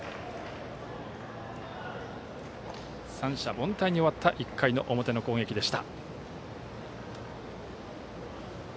三者凡退に終わった１回の表の攻撃でした。